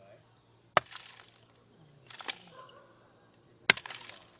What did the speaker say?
เวียนหัวไม่มาหรอกลูกไม่มาหรอกลูกไม่ขึ้น